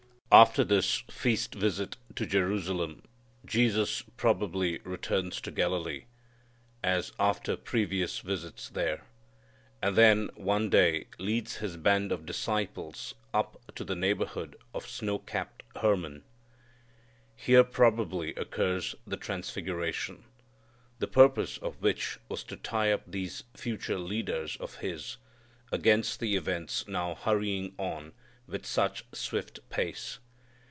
After this feast visit to Jerusalem, Jesus probably returns to Galilee, as after previous visits there, and then one day leads His band of disciples up to the neighborhood of snow capped Hermon. Here probably occurs the transfiguration, the purpose of which was to tie up these future leaders of His, against the events now hurrying on with such swift pace.